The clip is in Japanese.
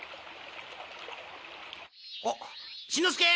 おっしんのすけ！